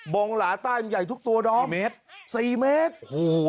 งหลาใต้มันใหญ่ทุกตัวดอมเมตรสี่เมตรโอ้โห